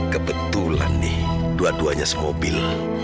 kebetulan nih dua duanya semobil